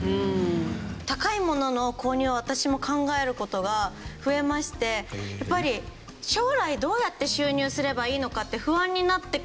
高いものの購入は私も考える事が増えましてやっぱり将来どうやって収入すればいいのかって不安になってくるんですよ